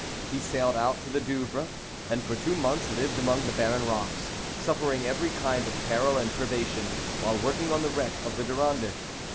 He sailed out to the Douvres, and for two months lived among the barren rocks, suffering every kind of peril and privation while working on the wreck of the Durande.